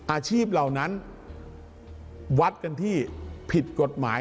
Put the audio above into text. อาชีพเหล่านั้นวัดกันที่ผิดกฎหมาย